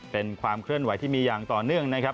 เป็นความเคลื่อนไหวที่มีอย่างต่อเนื่องนะครับ